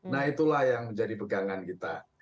nah itulah yang menjadi pegangan kita